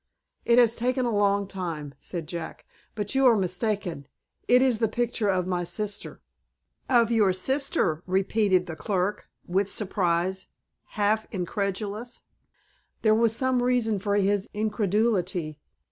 "It has taken a long time," said Jack. "But you are mistaken. It is the picture of my sister." "Of your sister!" repeated the clerk, with surprise, half incredulous. There was some reason for his incredulity.